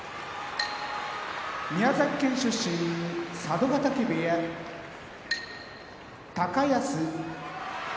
宮崎県出身佐渡ヶ嶽部屋高安